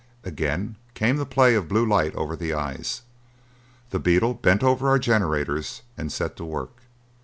Again came the play of blue light over the eyes; the beetle bent over our generaters and set to work.